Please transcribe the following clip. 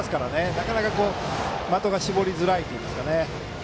なかなか的が絞りづらいといいますか。